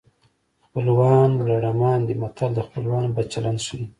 خپلوان لړمان دي متل د خپلوانو بد چلند ښيي